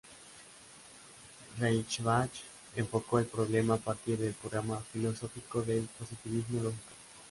Reichenbach enfocó el problema a partir del programa filosófico del positivismo lógico.